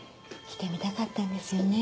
来てみたかったんですよね。